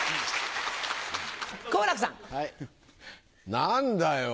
何だよ。